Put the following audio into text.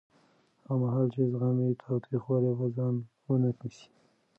هغه مهال چې زغم وي، تاوتریخوالی به ځای ونه نیسي.